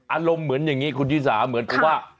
อารมณ์เหมือนอย่างนี้คุณชิสาเหมือนกับว่า